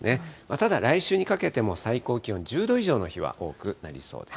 ただ、来週にかけても最高気温１０度以上の日は多くなりそうです。